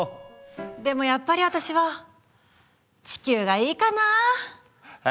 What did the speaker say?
でもやっぱり私は地球がいいかな。え？